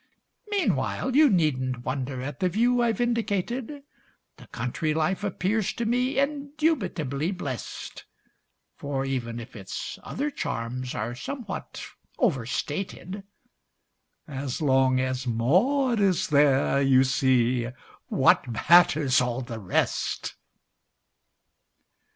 Meanwhile, you needn't wonder at the view I've indicated, The country life appears to me indubitably blest, For, even if its other charms are somewhat overstated, As long as Maud is there, you see, what matters all the rest?